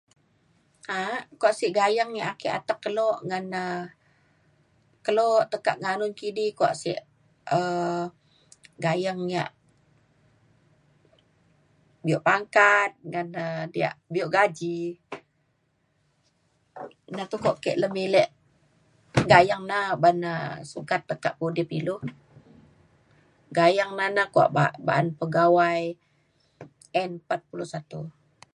a'ak kuak sik gayeng yak atek ke kelo ngan um kelo tekak nganun kidi kuak sik um gayeng yak bio pangkat ngan um diak bio gaji. ina tu kok lemilek gayeng na uban na sukat tekak pudip ilu. gayeng na na kuak ba'an ba'an pegawai N41